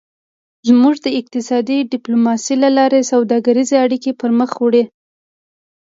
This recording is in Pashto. موږ د اقتصادي ډیپلوماسي له لارې سوداګریزې اړیکې پرمخ وړو